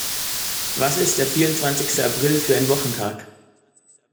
Was ist der vierundzwanzigste April für ein Wochentag?